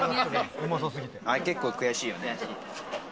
あれ結構悔しいよね。